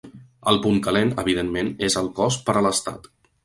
El punt calent, evidentment, és el cost per a l’estat.